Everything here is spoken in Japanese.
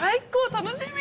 楽しみ。